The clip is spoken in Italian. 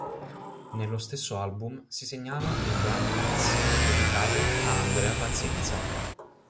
Nello stesso album si segnala il brano "Paz", dedicato a Andrea Pazienza.